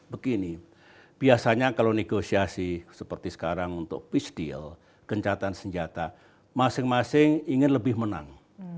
begini biasanya kalau negosiasi seperti sekarang untuk pistial gencatan senjata masing masing ingin lebih menang